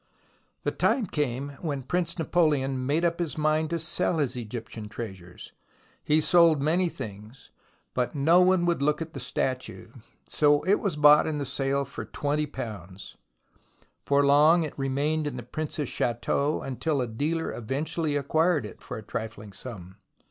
The time came when Prince Napoleon made up his mind to sell his Egyptian treasures. He sold many things, but no one would look at the statue, so it was bought in at the sale for £20. For long it remained in the Prince's chateau, until a dealer eventually acquired it for a trifling sum.